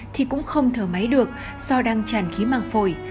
thì cũng không thở máy được do đang tràn khí màng phổi